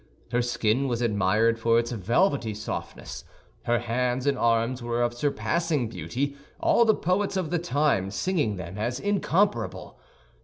Her skin was admired for its velvety softness; her hands and arms were of surpassing beauty, all the poets of the time singing them as incomparable.